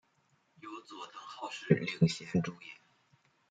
由佐藤浩市领衔主演。